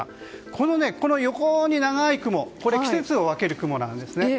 ここの横に長い雲これは季節を分ける雲なんですね。